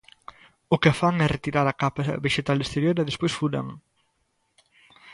O que fan é retirar a capa vexetal exterior e despois furan.